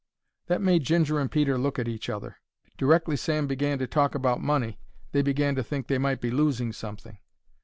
That made Ginger and Peter look at each other. Direckly Sam began to talk about money they began to think they might be losing something.